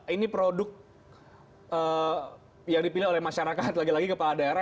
ini produk yang dipilih oleh masyarakat lagi lagi kepala daerah